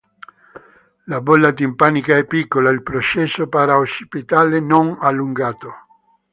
La bolla timpanica è piccola, il processo para-occipitale non allungato.